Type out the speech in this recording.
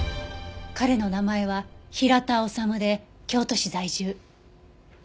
彼の名前は平田治で京都市在住。